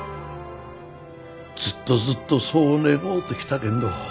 ずっとずっとそう願うてきたけんど